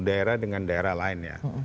daerah dengan daerah lain ya